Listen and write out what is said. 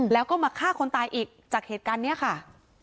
แล้วก็มาฆ่าคนตายอีกจากเหตุการณ์นี้ค่ะ